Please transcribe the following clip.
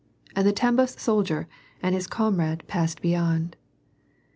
And the Tambof soldier and his comrade passed beyond.